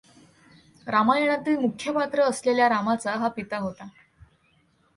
रामायणातील मुख्य पात्र असलेल्या रामाचा हा पिता होता.